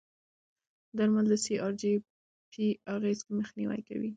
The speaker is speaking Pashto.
درمل د سی ار جي پي اغېزې مخنیوي کوي.